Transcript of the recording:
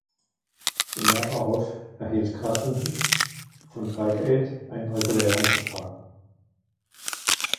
Im Jahr darauf erhielt Carstensen von "Bike Aid" einen regulären Vertrag.